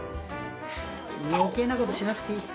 余計なことしなくていい！